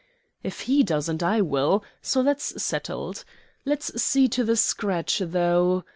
"If He doesn't, I will; so that's settled. Let's see to the scratch, though."